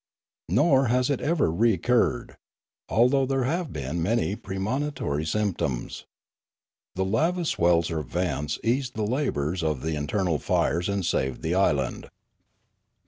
Nor has it ever recurred, although there have been many pre monitory symptoms. The lava wells or vents eased the labours of the internal fires and saved the island.